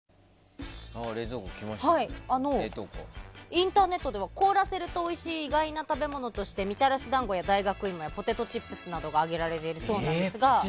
インターネットでは凍らせるとおいしい意外な食べ物としてみたらし団子や大学芋やポテトチップスなどが挙げられているそうですが。